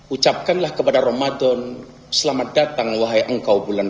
ucapkanlah kepada ramadan selamat datang wahai engkau bulan